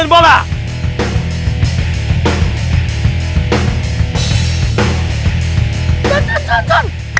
ula lah terus gimana dong